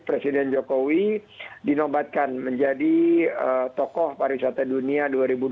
presiden jokowi dinobatkan menjadi tokoh pariwisata dunia dua ribu dua puluh